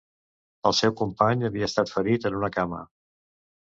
El seu company havia estat ferit en una cama.